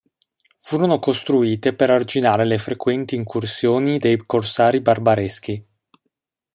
Furono costruite per arginare le frequenti incursioni dei corsari barbareschi.